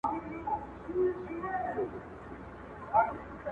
خدای انډیوال که جانان څۀ ته وایي,